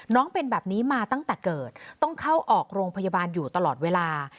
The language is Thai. เป็นแบบนี้มาตั้งแต่เกิดต้องเข้าออกโรงพยาบาลอยู่ตลอดเวลา